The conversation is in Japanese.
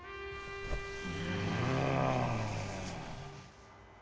うん。